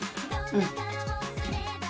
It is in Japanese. うん。